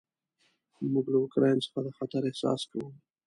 موږ له اوکراین څخه د خطر احساس کوو.